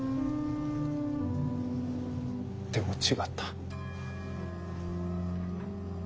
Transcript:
でも違った。